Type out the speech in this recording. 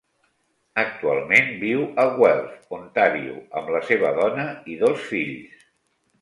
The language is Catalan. Actualment viu a Guelph, Ontario, amb la seva dona i dos fills.